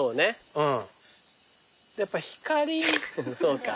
うん。